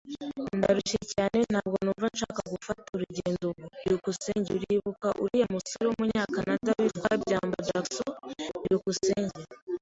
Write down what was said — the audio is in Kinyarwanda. Ndarushye cyane. Ntabwo numva nshaka gufata urugendo ubu. byukusenge Uribuka uriya musore wumunyakanada witwa byambo Jackson? byukusenge